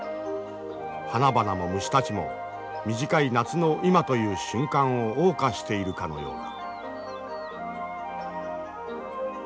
花々も虫たちも短い夏の今という瞬間をおう歌しているかのようだ。